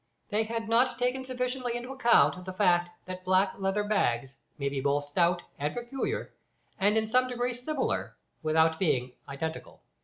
They had not taken sufficiently into account the fact that black leather bags may be both stout and peculiar, and in some degree similar without being identical.